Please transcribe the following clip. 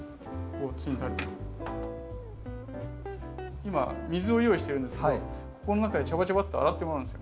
今水を用意してるんですけどここの中でジャバジャバッと洗ってもらうんですよ。